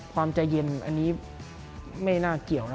ความใจเย็นอันนี้ไม่น่าเกี่ยวนะ